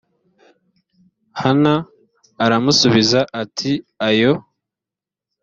hana aramusubiza ati oya